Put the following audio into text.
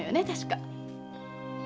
確か。